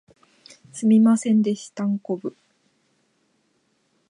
すみませんでしたんこぶ